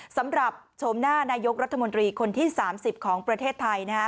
สำหรับโฉมหน้านายกรัฐมนตรีคนที่๓๐ของประเทศไทยนะครับ